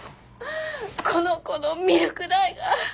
この子のミルク代が。